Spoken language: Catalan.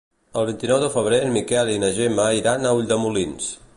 El vint-i-nou de febrer en Miquel i na Gemma iran a Ulldemolins.